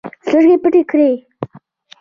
سترګې پټې کړې